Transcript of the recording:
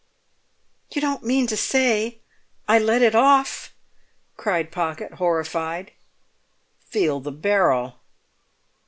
"You don't mean to say I let it off?" cried Pocket, horrified. "Feel the barrel."